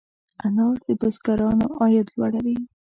انار د بزګرانو عاید لوړوي.